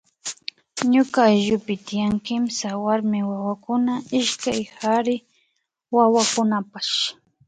Ñuka ayllupi tian kimsa warmi wawakuna ishkay kari wawakunapash